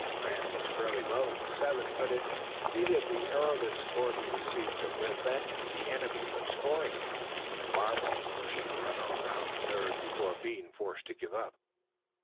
Grant pitched fairly well in the seventh, but it needed the errorless support he received to prevent the enemy from scoring, Barville pushing a runner round to third before being forced to give up.